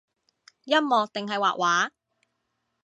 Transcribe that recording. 音樂定係畫畫？